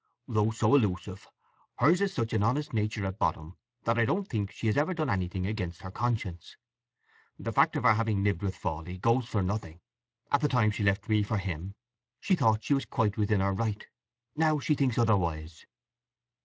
Though so elusive, hers is such an honest nature at bottom that I don't think she has ever done anything against her conscience. The fact of her having lived with Fawley goes for nothing. At the time she left me for him she thought she was quite within her right. Now she thinks otherwise."